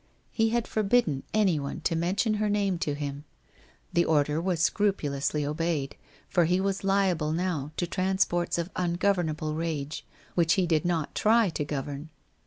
He had forbidden anyone to mention her name to him. The order was scrupulously obeyed, for he was liable now to transports of ungovernable rage, which he did not try to govern.